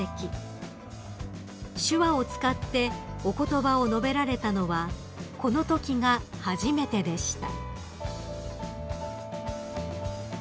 ［手話を使ってお言葉を述べられたのはこのときが初めてでした］